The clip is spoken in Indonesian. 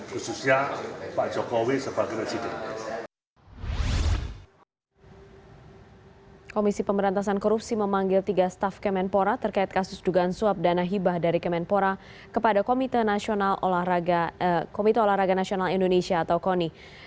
khususnya pak jokowi sebagai presiden